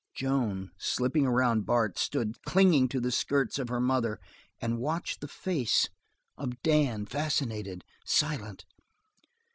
Joan, slipping around Bart, stood clinging to the skirts of her mother and watched the face of Dan, fascinated, silent.